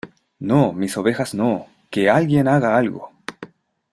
¡ No, mis ovejas no! ¡ que alguien haga algo !